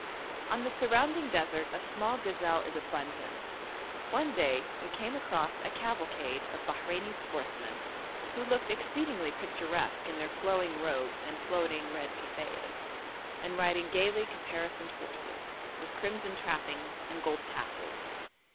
On the surrounding desert a small gazelle is abundant. One day we came across a cavalcade of Bahreini sportsmen, who looked exceedingly picturesque in their flowing robes and floating red kaffiehs, and riding gaily caparisoned horses, with crimson trappings and gold tassels.